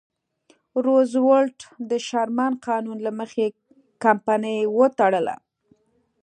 روزولټ د شرمن قانون له مخې کمپنۍ وتړله.